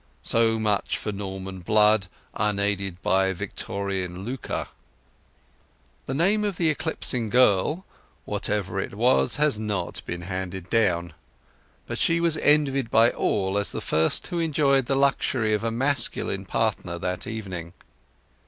So much for Norman blood unaided by Victorian lucre. The name of the eclipsing girl, whatever it was, has not been handed down; but she was envied by all as the first who enjoyed the luxury of a masculine partner that evening.